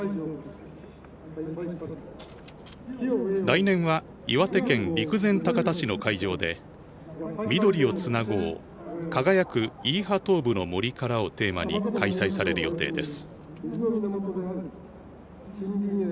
来年は岩手県陸前高田市の会場で「緑をつなごう輝くイーハトーブの森から」をテーマに開催される予定です。